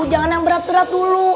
jangan yang berat berat dulu